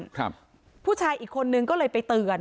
ผู้ชายคนนี้ไม่ยอมลุกให้นั่งผู้ชายอีกคนนึงก็เลยไปเตือน